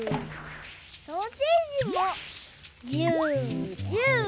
ソーセージもジュージュー。